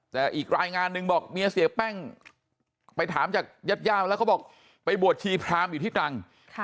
แต่อีกรายงานหนึ่งบอกเมียเสียแป้งไปถามจากญาติญาติมาแล้วเขาบอกไปบวชชีพรามอยู่ที่ตรัง